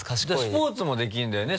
スポーツもできるんだよね？